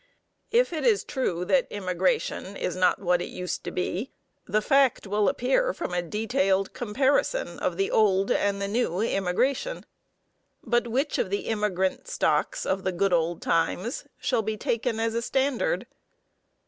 If it is true that immigration is not what it used to be, the fact will appear from a detailed comparison of the "old" and the "new" immigration. But which of the immigrant stocks of the good old times shall be taken as a standard?